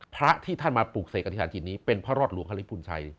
พระที่ท่านมาปลูกเสกอธิษฐานจิตนี้เป็นพระรอดหลวงฮริพุนชัย